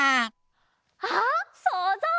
あっそうぞう！